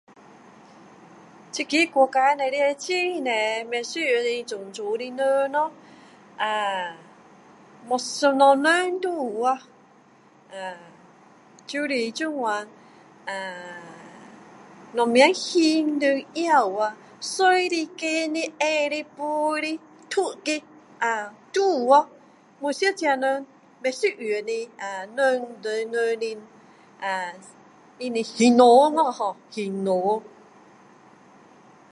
这个国家里面很多不一样种族的人咯。啊！每一种人都有啊 ahh 就是这样[ahh] 什么形的人也有啊。瘦的，高的，矮的，肥的，凸的，[ahh]都有哦! 每一个人，不一样的[ahh] 人人人的[ahh] 他的形状 [har]，形状。